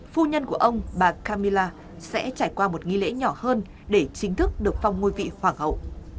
phu nhân của ông bà kamila sẽ trải qua một nghi lễ nhỏ hơn để chính thức được phong ngôi vị hoàng hậu